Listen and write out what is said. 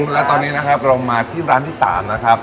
และตอนนี้เรามาที่ร้านที่๓นะครับ